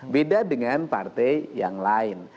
beda dengan partai yang lain